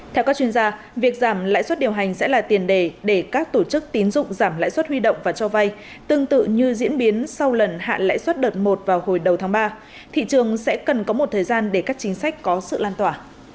theo các chuyên gia việc giảm lãi suất điều hành sẽ là tiền đề để các tổ chức tín dụng giảm lãi suất huy động và cho vay tương tự như diễn biến sau lần hạ lãi suất đợt một vào hồi đầu tháng ba thị trường sẽ cần có một thời gian để các chính sách có sự lan tỏa